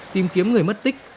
tìm kiếm người mất tích